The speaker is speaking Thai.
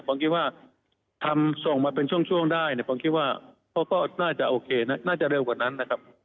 ผมคิดว่าทำส่งมาเป็นช่วงได้เนี่ยผมคิดว่าเขาก็น่าจะโอเคนะน่าจะเร็วกว่านั้นนะครับ